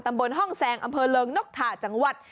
บนห้องแซงอำเภอเริงนกถาจังหวัด